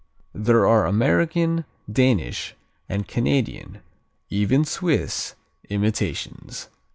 There are American, Danish, and Canadian even Swiss imitations.